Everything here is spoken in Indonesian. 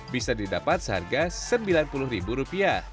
bisa didapat seharga rp sembilan puluh